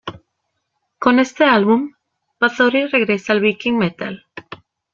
Con este álbum, Bathory regresa al viking metal.